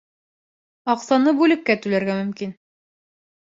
Аҡсаны бүлеккә түләргә мөмкин.